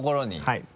はい。